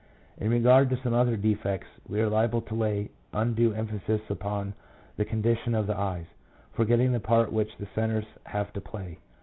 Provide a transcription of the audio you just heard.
In regard to some other defects, we are liable to lay undue emphasis upon the condi tion of the eyes, forgetting the part which the centres have to play.